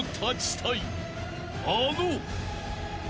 ［あの］